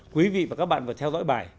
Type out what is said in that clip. quý vị và các bạn vừa theo dõi bài